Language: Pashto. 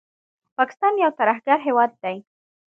پاکستان یو ترهګر هېواد دی